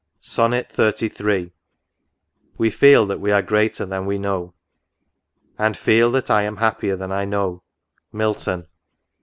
Sonnet XXXIII. " We feel that we are greater than we know." " And feel that I am happier than I know." — Milton.